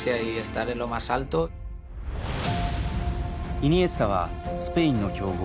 イニエスタはスペインの強豪